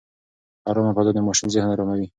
ارامه فضا د ماشوم ذهن اراموي.